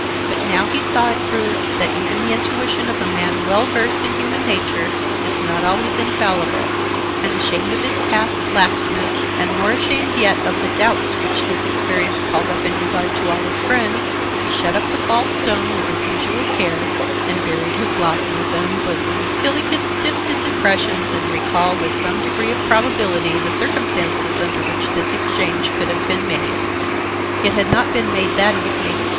But now he saw it proved that even the intuition of a man well versed in human nature is not always infallible, and, ashamed of his past laxness and more ashamed yet of the doubts which this experience called up in regard to all his friends, he shut up the false stone with his usual care and buried his loss in his own bosom, till he could sift his impressions and recall with some degree of probability the circumstances under which this exchange could have been made. It had not been made that evening.